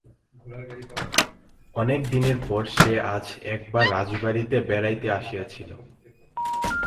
অনেক দিনের পর সে আজ একবার রাজবাড়িতে বেড়াইতে আসিয়াছিল।